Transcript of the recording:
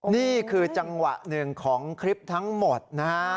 นี่คือจังหวะหนึ่งของคลิปทั้งหมดนะฮะ